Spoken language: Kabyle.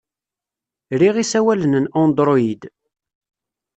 Riɣ isawalen n Android.